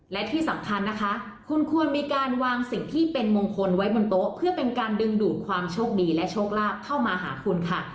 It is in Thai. และที่สำคัญนะคะคุณควรมีการวางสิ่งที่เป็นมงคลไว้บนโต๊ะเพื่อเป็นการดึงดูดความโชคดีและโชคลาภเข้ามาหาคุณค่ะ